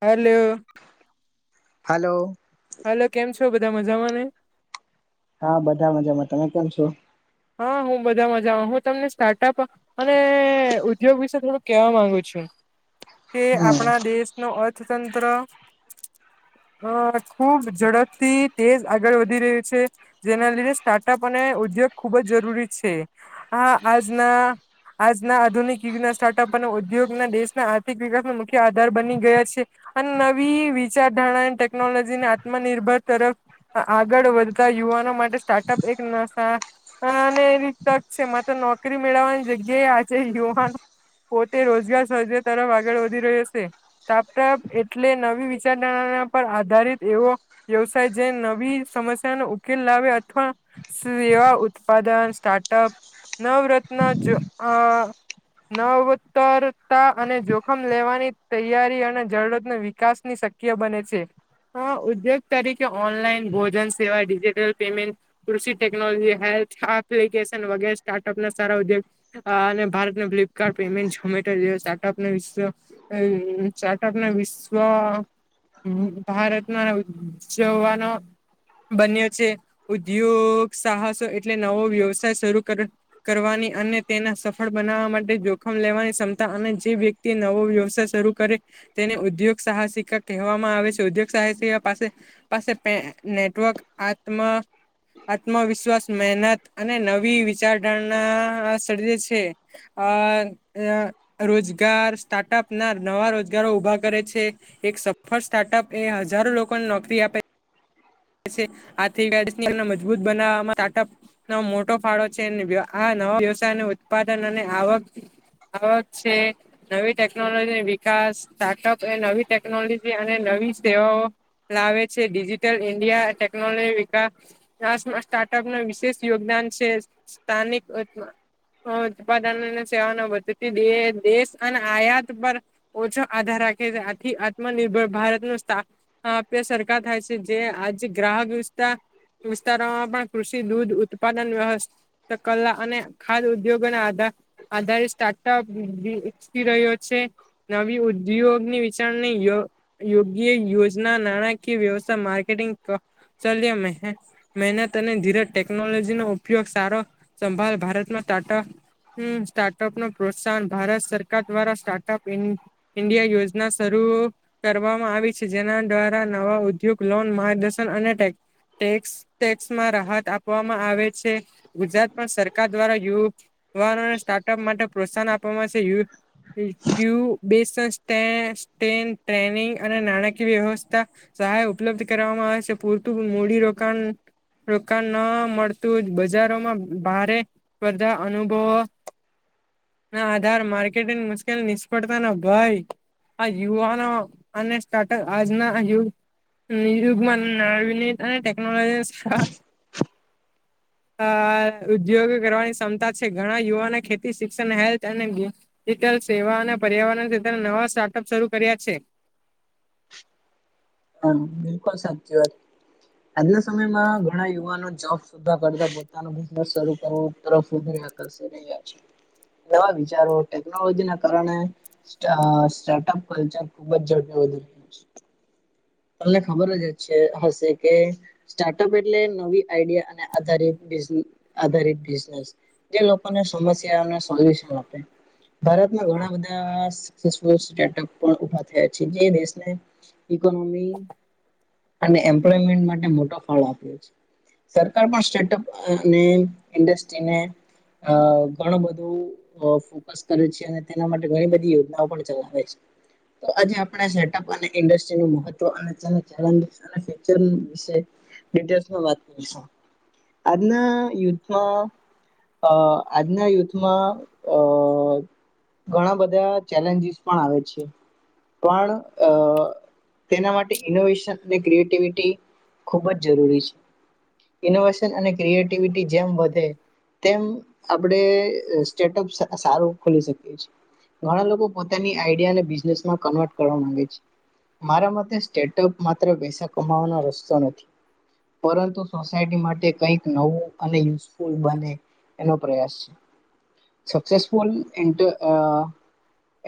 Hello hello. Hello કેમ છો, બધા મજામાં ને. હા બધા મજામાં, તમે કેમ છો? હા હું બધા મજા હું તમને સ્ટાર્ટઅપ અને ઉદ્યોગ વિશે થોડુંક કેવા માંગુ છું કે આપણા દેશ નું અર્થતંત્ર અ ખુબ ઝડપથી તેજ આગળ વધી રહ્યું છે. જેના લીધે સ્ટાર્ટઅપ અને ઉદ્યોગ ખુબ જ જરૂરી છે આ આજના આજના આધુનિક યુગના સ્ટાર્ટઅપ અને ઉદ્યોગ ના દેશના આર્થિક વિકાસો મુખ્ય આધાર બની ગયો છે. અને નવી વિચારધારણા અન ટેકનોલોજીને આત્મનિર્ભર તરફ આગળ વધતા યુવાનો માટે સ્ટાર્ટઅપ એક નાસા હ અને એ રીત નાજ છે માતો નોકરી મેળવાની જગ્યાએ આજે યુવાનો પોતે રોજગાર સર્જ તરફ આગળ વધી રહ્યો હશે. [unintelligible] એટલે નવી વિચારધારણા ના પર આધારિત એવો વ્યવસાય જે નવી સમસ્યા નો ઉકેલ લાવે અથવા સેવા ઉ ત્પાદન સ્ટાર્ટઅપ નવરત્ન જો અ નઉંત્તર તા અને જોખમ લેવાની તૈયારી અને જળરત્ન વિકાસ ની શક તીઅ બને છે અ ઉદ્યોગ તરીકે ઓનલાઈન ભોજન સેવા ડિજિટલ પેમેન્ટ કૃષિ ટેકનોલોજી હેલ્થ એપ્લિકેશન વગેરે સ્ટાર્ટઅપ ના સારા ઉદ્યો હા અને Bharat Flipkart payment Zomato startup હિસ્સો એ ચાર્ટઅપ ના વિશ્વ હમ્મ ભારતમાં ઉજ જવાનો બન્યો છે ઉદ્યોગ સાહસો એટલે નવો વ્યવસાય શરૂ કર્યો કરવાની અને તેને સફળ બનાવવા માટે જોખમ લેવાની ક્ષમતા અને જે વે ક્તિ નવો વ્યવસાય શરૂ કરે તેને ઉદ્યોગ સાહસિકા કહેવામાં આવે છે ઉદ્યોગ સાહસિકા પાસે પાસે નેટવર્ક આત્મ આત્મવિશ્વાસ મહેનત અને નવી વિચારધારણા સર્જે છે. અ રોજગાર સ્ટાર્ટઅપ ના નવા રોજગારો ઊભા કરે છે. એક સફળ સ્ટાર્ટઅપ એ હજારો લોકોને નોકરી આપે આથી મજબૂત બનાવામાં સ્ટાર્ટઅપ નો મોટો ફાળો છે ને આ નવા વ્યવસાયનું ઉત્પાદન અને આવક આવક છે નવી ટેકનોલોજી વિકાસ સ્ટાર્ટઅપ એ નવી ટેકનોલોજી અને નવી સેવાઓ લાવે છે ડિજિટલ ઇન્ડિયા ટેકનોલોજી વિકાસ કાસ સ્ટાર્ટઅપ નો વિશેષ યોગદાન છે સ્થા સ્થાનિક હ ઉત્પાદન અને સેવા નો વધતી દે દેશ અન આયાત પર ઓછો આધાર રાખે છે આથી આત્મનિર્ભર ભારત નું સ્થા આપ્ય સરકાર થાય છે જે આજે ગ્રાહક વિસ્તા વિસ્તારોમાં પણ કૃષિ દૂધ ઉત્પાદન વ કલા અને ખાદ ઉદ્યોગો ના આધા આધારે સ્ટાર્ટઅપ વી વિકસી રહ્યો છે. નવી ઉદ્યોગની વિચારણા યો યોગ્ય યોજના નાણાકીય વ્યવસ્થા માર્ કે ક ચલમે હ મહેનત અને ધીરજ ટેકનોલોજી નો ઉપયોગ સારો સંભાળ ભારતમાં ટાટા. હમ સ્ટાર્ટઅપ નો પ્રોત્સાહન ભારત સરકાર દ્વારા સ્ટાર્ટઅપ ઇન્ડિયા યોજના શરૂ કરવામાં આવી છે જેના દ્વારા નવા ઉદ્યોગ લોન માર્ગદર્શન અનેટે ટેક્ ટેક્સમાં રાહત આપવામાં આવે છે ગુજરાત પણ સરકાર દ્વારા યુ યુવાનોને સ્ટાર્ટઅપ માટે પ્રોત્સાહન આપવામાંશેયુ. ુ બે ટ્રેનિંગ અને નાણાકીય વ્યવસ્થા સહાય ઉપલબ્ધ કરવામાં આવે છે પૂરતું મૂડીરોકાણ. રોકાણ ન મળતું બજારોમાં ભારે સ્પર્ધા અનુભવ ના આધાર માર્કેટિંગ મુશ્કેલ નિષ્ફળતા ના ભય. આ યુવાનો અને સ્ટાર્ટઅપ આજના નિુગમાં ના ત ટટેકનોલોજી છ [unintelligible] [unintelligible] અ ઉદ્યોગ કરવાની ક્ષમતા છે ઘણા યુવાને ખેતી શિક્ષણ હેલ્થ અને અત્યારે સેવા અને પર્યાવરણ ક નવા સ્ટાર્ટઅપ શરૂ કર્યા છે. હા બિલકુલ સાચી વાત આજના સમયમાં ઘણા યુવાનો જોબ કરતા બ તર વધ આર્ષ રહ્યા છે. [unintelligible] નવા વિચારો ટેકનોલોજી ના કારણે સ્ટાર્ટઅપ કલ્ચર ખુબ જ ઝડપ વધી રહ્યું છે. તમને ખબર જ છે હશે કે સ્ટાર્ટઅપ એટલે નવી આઈડિયા અને આધાર આધારિત બિઝનેસ જે લોકોને સમસ્યા અને સોલ્યુશન આપે ભારતમાં ઘણા બધા સ સારઅ પણ ઉભા થયા છે જે દેશને ઇકોનોમી અને એમ્પ્લોયમેન્ટ માટે મોટો ફાળો આપ્યો છે. સરકાર પણ સ્ટાર્ટઅપને ઇન્ડસ્ટ્રીને અ ઘણું બધું ચોસ કરે છે અને તેના માટે ઘણી બધી યોજનાઓ પણ ચલાવે છે. તો આજે આપણે સેટઅપ અને ઇન્ડસ્ટ્રીનું મહત્વ ચલે અને ફ્યુચર ની વાત કરીશું આજના યુથમાં અ આજના યુથમાં અ ઘણા બધા ચેલેન્જીસ પણ આવે છે પણ અ તેના માટે ઇનોવેશન અને ક્રિએટિવિટી ખૂબ જ જરૂરી છે. ઇનોવેશન અને ક્રિએટિવિટી જેમ વધે તેમ આપડે સ્ટેટઅપ સારું ખોલી શકીએ છેએ. ઘણા લોકો પોતાની આઈડિયા અને બિઝનેસ માં કન્વર્ટ કરવા માંગે છે. મારા માટે સ્ટેટઅપ માત્ર પૈસા કમાવાનો રસ્તો નથી. પરંતુ સોસાયટી માટે કઈક નવું અને યુઝફુલ બને એનો પ્રયાસ છે સક્સેસફુલ એ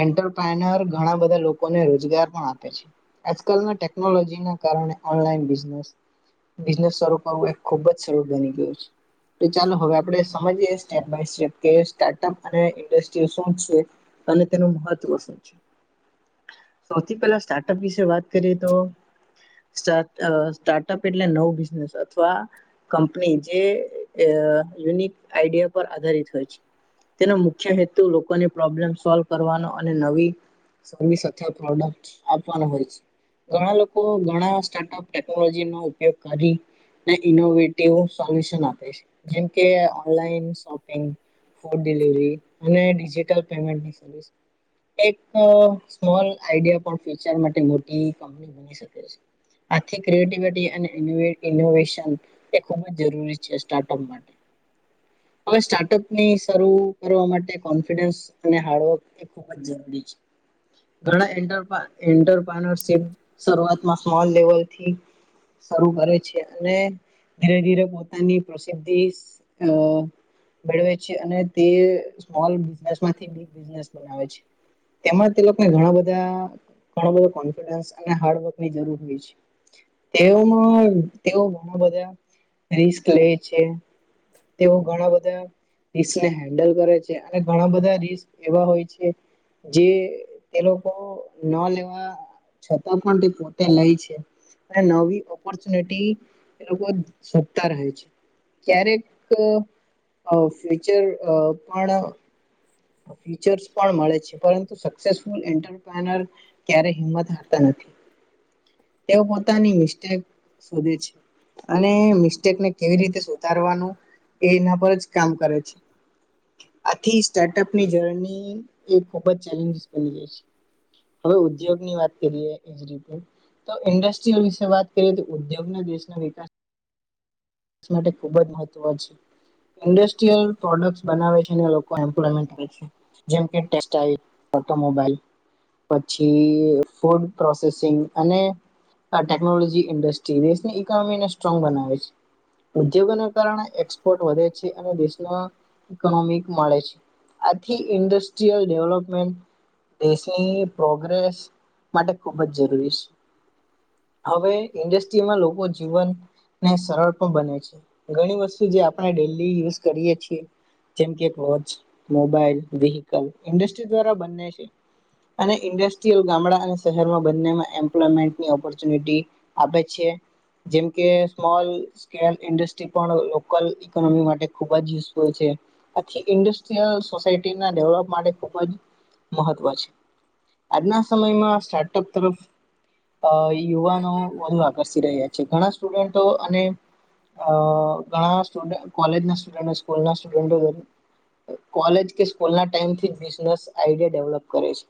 એન્ટરપ્રાનર ઘણા બધા લોકોને રોજગાર પણ આપે છે આજકાલના ટેકનોલોજી ના કારણે ઓનલાઈન બિઝનેસ બિઝનેસ શરૂુ કરવું એ ખુબ જ સરળ બની ગયું છે. તો ચાલો હવે આપણે સમજી સ્ટેપ બાય સ્ટેપ કે સ્ટાર્ટઅપ અને ઇન્ડસ્ટ્રી શું છે. અને તેનું મહત્વ શું છે સૌથી પહેલા સ્ટા અપ વિશે વાત કરીએ તો સાર સ્ટાર્ટઅપ એટલે નવું બિઝનેસ અથવા કંપની જે યુનિક આઈડિયા પર આધારિત હોય છે. તેનો મુખ્ય હેતુ લોકોને પ્રોબ્લેમ સોલ્વ કરવાનો અને નવી સર્વિસ અથવા પ્રોડક્ટ આપવાનો હોય છે. ઘણા લોકો ઘણા સ્ટાર્ટઅપ ટેકનોલોજી નો ઉપયોગ કરી ઇનોવેટિવ સોલ્યશન આપે છે જેમકે ઓનલાઈન શોપિંગ ફ્રુટ ડિલિવરી અને ડિજિટલ પેમેન્ટ એક સ્મોલ આઈડિયા પણ ફ્યચર માટે મોટી કંપની બની શકે આથી ક્રિએટિવિટી અને ઇન્વેટીનો [unintelligible] એ ખૂબ જ જરૂરી છે સ્ટાર્ટઅપ માટે. હવે સ્ટાર્ટઅપ ની શરૂ કરવા માટે કોન્ફિડન્સ અને હાર્ડવર્ક ખૂબ જ જરૂરી છે ઘણા એન્ટર પા એન્ટરપ્રરપ [unintelligible] શરૂઆતમાં સ્મોલ લેવલથી શરૂ કરે છે અને ધીરે ધીરે પોતાની પ્રસિદ્ધિ અ મેળવે છે અને તે સ્મોલ બિઝનેસ માંથી [unintelligible] બિઝનેસ બનાવે છે તેમાં તે લોકો ઘણા બધા ઘણો બધો કોન્ફિડન્સ અને હાર્ડવર્કની જરૂર હોય છે. તેઓમાં તેઓ ઘણા બધા રિસ્ક લે છે. [unintelligible] તેઓ ઘણા બધા [unintelligible] હેન્ડલ કરે છે અને ઘણા બધા રીસ્ક એવા હોય છે. જે તે લોકો નો લેવા છતાં પણ તે પોતે લય છે. અને નવી ઓપોર્ચુનિટી એ લોકો શોધતા રહે છે ક્યારેક એક આ ફ્યુચર આ પણ ફીચર્સ પણ મળે છે પરંતુ સક્સેસફુલ એન્ટરપ્રેનર ક્યારે હિંમત હારતા નથી તેઓ પોતાની મિસ્ટેક શોધે છે. અને મિસ્ટેકને કેવી રીતે સુધારવાનું એ એના પર જ કામ કરે છે આથી સ્ટાર્ટઅપની જર્ની એ ખુબ જ ચેલેન્જીસ બની જાય છે. હવે ઉદ્યોગ ની વાત કરીએ. તો ઇન્ડસ્ટ્રીલ વિશે વાત કરીએ તો ઉદ્યોગ ના દેશના વિકાસ [unintelligible] માટે ખૂબ જ મહત્વનું છે. ઇન્ડસ્ટ્રીલ પ્રોડક્ટ બનાવે છે ને લોકો એમ્પમેન્ટ કરે છે. જેમ કે ટેક્સટાઈલ ઓટોમોબાઈલ પછી ફૂડ પ્રોસેસિંગ અને આ ટેકનોલોજી ઇન્ડસ્ટ્રી દેશ ઇકોનોમી ને સ્ટ્રોંગ બનાવે છે. ઉદ્યોગો ના કારણે એક્સપોર્ટ વધે છે અને દેશ નો ઇકોનોમિક મળે છે આથી ઇન્ડસ્ટ્રીયલ ડેવલપમેન્ટ દેશની પ્રોગ્રેસ માટે ખુબ જ જરૂરી છે. હવે ઇન્ડસ્ટ્રીમાં લોકો જીવન ને સરળ હું બને છે ઘણી વસ્તુ જે આપણે ડેલી યુઝ કરીએ છીએ જેમકે વોચ મોબાઈલ વિહિકલ ઇન્ડસ્ટ્રી દ્વારા બને છે. અને ઇન્ડસ્ટ્રીયલ ગામડા અને શહેરમાં બંનેમાં એમ્પ્લોયમેન્ટની ઓપોર્ચ્યુનિટી આપે છે જેમ કે સ્મોલ કે ઇન્ડસ્ટ્રી પણ લોકલ ઇકોનોમી માટે ખુબ જ યુઝફુલ છે. આથી ઇન્ડસ્ટ્રીયલ સોસાયટીના ડેવલપ માટે ખૂબ જ મહત્વ છે. આજના સમયમાં સ્ટાર્ટઅપ તરફ અ યુવાનો વધુ આકર્ષી રહ્યા છે ઘણા સ્ટુડન્ટો અને આ ઘણા કોલેજ ના સ્ટડ સ્કૂલ સ્ટુડન્ટો કોલેજ કે સ્કૂલ ના ટાઈમ થી બિઝનેસ આઈડિયા ડેવલપ કરે છે.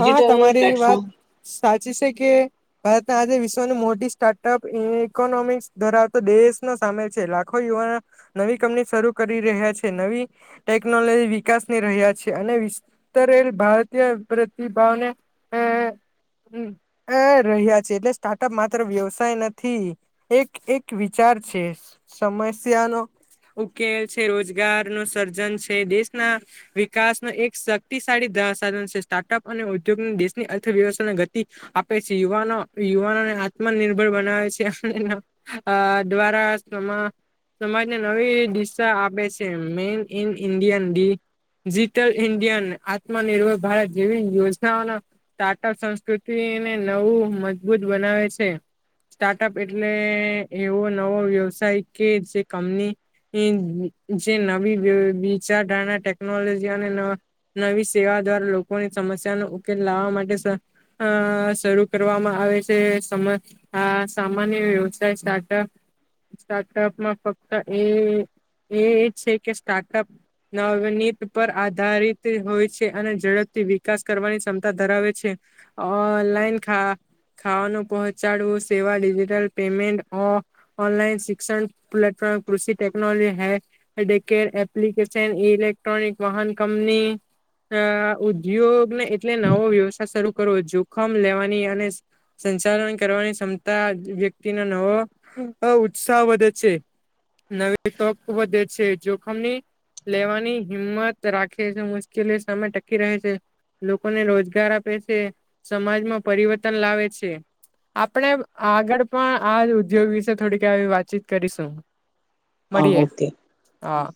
હા તમારી વાત પ્લેટફોર્મ સાચી છે કે ભારત આજે વિશ્વની મોટી સ્ટાર્ટઅપ ઈકોનોમિક્સ ધરાવતો દેશ ન સામે છે લ ખો યુવાના નવી કંપની શરૂ કરી રહ્યા છે નવી ટેકનોલોજી વિકાસની રહ્યા છે અને વિશવતરેલ ભારતીય પ્રતિભાવના હ હ અ રહ્યા છે એટલે સ્ટાર્ટઅપ માત્ર વ્યવસાય નથી એક એક વિચાર છે સમસ્યાનો ઉકેલ છે રોજગાર નું સર્જન છે દેશના વિકાસ ન એક શક્તિશાળી ધાસન છે સ્ટાર્ટઅપ અને ઉદ્યોગની દેશની અર્થવ્યવસ્થાની ગતિ આપે છે યુવાનો યુવાનોને આત્મનિર્ભર બનાવે છે અને આ દ્વારાસ્ટોમા સમાજને નવી દિશા આપે છે મેન ઇન ઇન્ડિયની ડિજિટલ ઇન્ડિયાને આત્મનિર્ભર ભારત જેવી યોજનાઓ ટાટપ સંસ્કૃતિને નવું મજબૂત બનાવે છે સ્ટાર્ટઅપ એટલે એવો નવો વ્યવસાય કે જે કંમની ઈન જે નવી વિચારધારણા ટેકનોલોજી અને નવા નવી સેવા દ્વારા લોકોની સમસ્યાનો ઉકેલ લાવવા માટે સ અ શરૂ કરવામાં આવે છે સમય હા સામાન્ય વ્યવસાય સ્ટાર્ટઅપ સ્ટાર્ટઅપમાં ફક્ત એ એ એ એજ છે કે સ્ટાર્ટઅપ નવનીત પર આધારિત હોય છે અને ઝડપ થી વિકાસ કરવાની ક્ષમતા ધરાવે છે ઓનલાઈના ખા ખાવાનું પહોંચાડવું સેવા ડિજિટલ પેમેન્ટ ઓ ઓનલાઈન શિક્ષણ પ્લેટફોર્મ કૃષિ ટેકનોલોજી હૈ ડેર એપ્લિકેશન ઇલેક્ટ્રોનિક વાહન કંપની અ ઉ વિયોગને એટલે નવો વ્યવસાય શરૂ કરવો જોખમ લેવાની અને સંચાલન કરવાની ક્ષમતા વ્યક્તિનો નવો અ ઉત્સાહ વધે છે નવી તક વધે છે જોખમની લેવાની હિંમત રાખે છે મુશ્કેલી ઓ સામે ટકી રહે છે લોકોને રોજગાર આપે છે સમાજમાં પરિવર્તન લાવે છે આપણે આગળ પણ આ જ ઉદ્યોગ વિશે થોડીક આવી વાતચીત કરીશું મળીએે હા